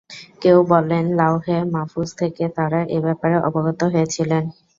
কেউ বলেন, লাওহে মাহফুজ থেকে তারা এ ব্যাপারে অবগত হয়েছিলেন।